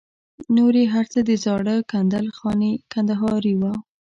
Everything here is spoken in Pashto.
نور یې هر څه د زاړه کندل خاني کندهاري وو.